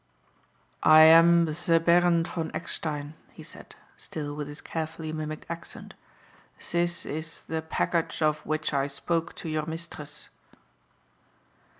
"I am the Baron von Eckstein," he said, still with his carefully mimicked accent. "This is the package of which I spoke to your mistress."